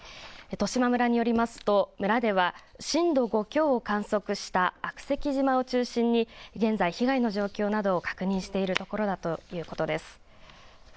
十島村によりますと村では震度５強を観測した悪石島を中心に現在、被害の状況などを確認しているところだということです。